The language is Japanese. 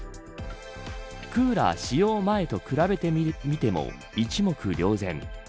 クーラー使用前と比べてみても一目瞭然。